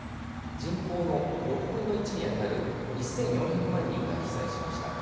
人口の６分の１に当たる１４００万人が被災しました。